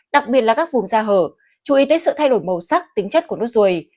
đặc biệt là các vùng da hở chú ý tới sự thay đổi màu sắc tính chất của nước ruồi